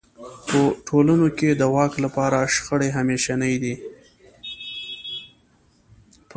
په ټولنو کې د واک لپاره شخړې همېشنۍ دي.